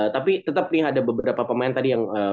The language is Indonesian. tapi tetap nih ada beberapa pemain tadi yang